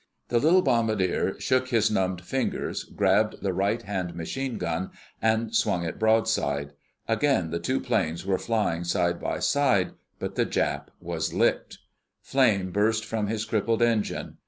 The little bombardier shook his numbed fingers, grabbed the right hand machine gun and swung it broadside. Again the two planes were flying side by side, but the Jap was licked. Flame burst from his crippled engine.